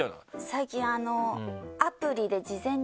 最近。